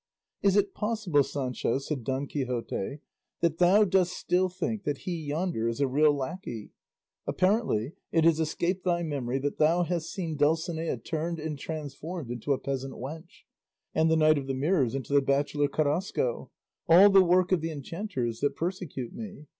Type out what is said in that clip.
"Is it possible, Sancho," said Don Quixote, "that thou dost still think that he yonder is a real lacquey? Apparently it has escaped thy memory that thou hast seen Dulcinea turned and transformed into a peasant wench, and the Knight of the Mirrors into the bachelor Carrasco; all the work of the enchanters that persecute me.